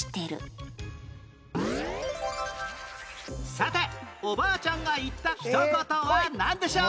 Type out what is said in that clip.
さておばあちゃんが言った一言はなんでしょう？